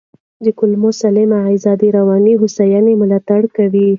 د کولمو سالمه غذا د رواني هوساینې ملاتړ کوي.